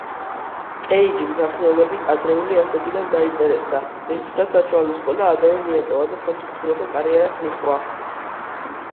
კეიჯი მსახიობობით ადრეული ასაკიდან დაინტერესდა, რისთვისაც საშუალო სკოლა ადრევე მიატოვა და სამსახიობო კარიერას მიჰყვა.